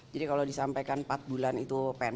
jadi kalau disampaikan empat bulan itu panjang